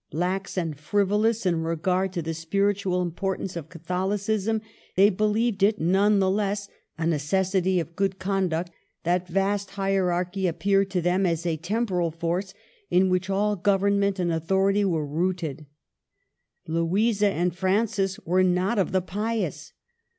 Lax and frivolous in regard to the spiritual importance of Catholicism, they believed it, none the less, a necessity of good conduct ; that vast hierarchy appeared to them as a temporal force in which all government and authority was rooted. Louisa and Francis were not of the pious.